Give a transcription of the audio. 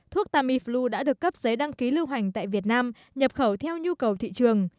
thuốc tamiflu đã được cấp giấy đăng ký lưu hành tại việt nam nhập khẩu theo nhu cầu thị trường